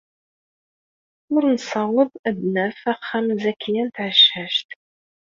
Ur nessaweḍ ad d-naf axxam n Zakiya n Tɛeccact.